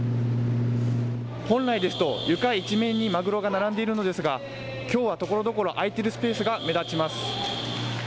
本来ですと床一面にマグロが並んでいるのですがきょうはところどころ空いているスペースが目立ちます。